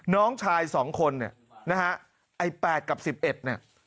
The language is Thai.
น้องชายสองคนเนี่ยไอ้๘กับ๑๑เนี่ย